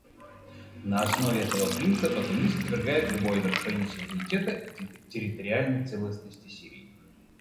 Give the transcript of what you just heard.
На основе этого принципа Тунис отвергает любое нарушение суверенитета и территориальной целостности Сирии.